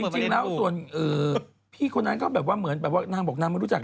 จริงแล้วส่วนพี่คนนั้นก็เหมือนน่าเป็นบอกน่าไม่รู้จัก